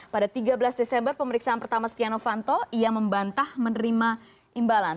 pada tiga belas desember pemeriksaan pertama setia novanto ia membantah menerima imbalan